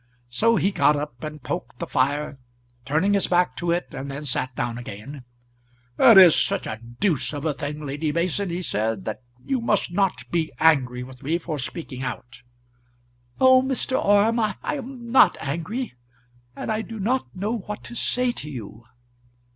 So he got up and poked the fire, turning his back to it, and then sat down again. "It is such a deuce of a thing, Lady Mason," he said, "that you must not be angry with me for speaking out." "Oh, Mr. Orme, I am not angry, and I do not know what to say to you."